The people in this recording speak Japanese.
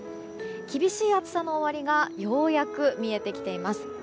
厳しい暑さの終わりがようやく見えてきています。